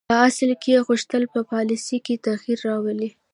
په اصل کې یې غوښتل په پالیسي کې تغییر راولي.